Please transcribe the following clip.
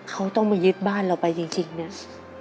เขาต้องมายึดบ้านเราไปจริงเนี่ย